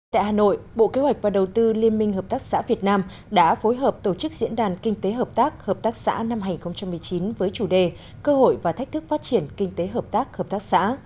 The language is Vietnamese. tại hà nội bộ kế hoạch và đầu tư liên minh hợp tác xã việt nam đã phối hợp tổ chức diễn đàn kinh tế hợp tác hợp tác xã năm hai nghìn một mươi chín với chủ đề cơ hội và thách thức phát triển kinh tế hợp tác hợp tác xã